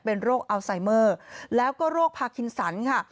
เป็นโรคอัลไซเมอร์แล้วก็โรคพาคินสันค่ะ